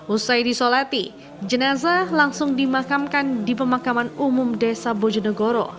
usai disolati jenazah langsung dimakamkan di pemakaman umum desa bojonegoro